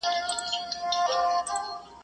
د پاچا د زوره مو وساتې، او د ملا د توره.